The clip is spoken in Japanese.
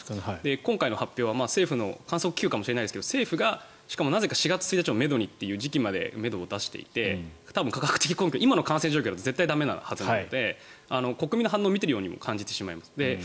今回の発表は政府の観測気球かもしれないですけど政府がしかもなぜか４月１日からという時期のめどを出していて多分、今の感染状況だと絶対駄目なはずなので国民の反応を見ているようにも感じてしまいます。